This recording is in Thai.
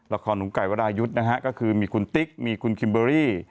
ของไก่วรายุทธ์นะฮะก็คือมีคุณติ๊กมีคุณคิมเบอรี่